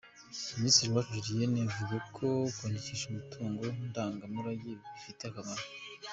Minisitiri Uwacu Julienne avuga ko kwandikisha umutungo ndangamurage bifite akamaro.